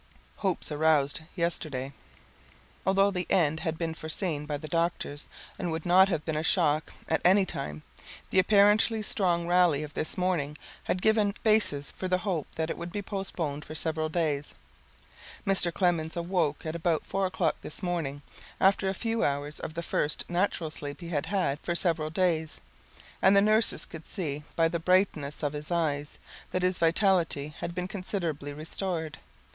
Hopes Aroused Yesterday Although the end had been foreseen by the doctors and would not have been a shock at any time, the apparently strong rally of this morning had given basis for the hope that it would be postponed for several days. Mr. Clemens awoke at about 4 o'clock this morning after a few hours of the first natural sleep he has had for several days, and the nurses could see by the brightness of his eyes that his vitality had been considerably restored.